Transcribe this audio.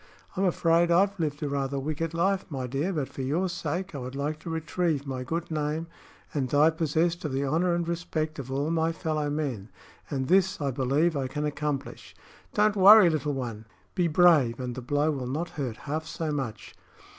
I'm afraid I've lived a rather wicked life, my dear; but for your sake I would like to retrieve my good name and die possessed of the honor and respect of all my fellow men. And this, I believe, I can accomplish. Don't worry, little one! Be brave, and the blow will not hurt half so much."